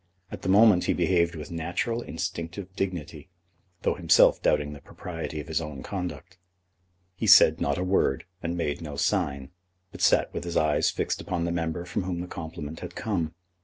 At the moment he behaved with natural instinctive dignity, though himself doubting the propriety of his own conduct. He said not a word, and made no sign, but sat with his eyes fixed upon the member from whom the compliment had come.